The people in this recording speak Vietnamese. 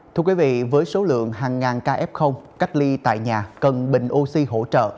thưa quý vị với số lượng hàng ngàn ca f cách ly tại nhà cần bình oxy hỗ trợ